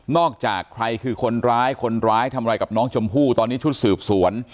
จากใครคือคนร้ายคนร้ายทำอะไรกับน้องชมพู่ตอนนี้ชุดสืบสวน